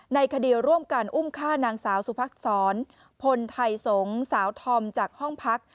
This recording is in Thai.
ในคดีร่วมกันอุ้มฆ่านางสาวสุภักษรพลไทยสงศ์สาวธอมจากห้องพัก